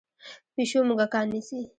پیشو موږکان نیسي.